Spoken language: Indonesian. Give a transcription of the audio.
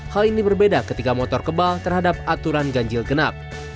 hal ini berbeda ketika motor kebal terhadap aturan ganjil genap